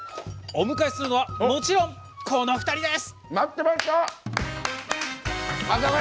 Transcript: お迎えするのはもちろんこの２人です。